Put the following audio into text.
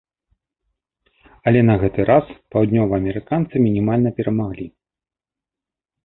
Але на гэты раз паўднёваамерыканцы мінімальна перамаглі.